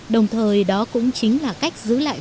đồng thời đó cũng chính là cách giữ lại